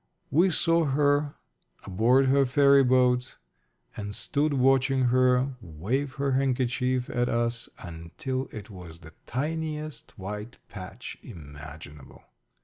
We saw her aboard her ferryboat, and stood watching her wave her handkerchief at us until it was the tiniest white patch imaginable.